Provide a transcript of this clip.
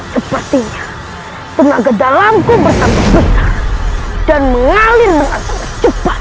sepertinya tenaga dalamku bersambut besar dan mengalir dengan cepat